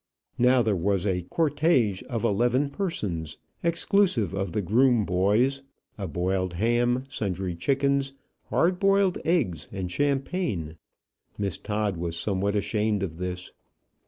Now there was a cortège of eleven persons, exclusive of the groom boys, a boiled ham, sundry chickens, hard boiled eggs, and champagne. Miss Todd was somewhat ashamed of this.